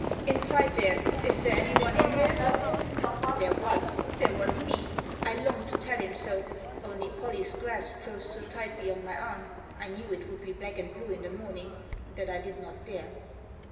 " Inside there ! Is there anyone in there ?" There was ; there was me. I longed to tell him so, only Pollie's grasp closed so tightly on my arm — I knew it would be black and blue in the morning— that I did not dare.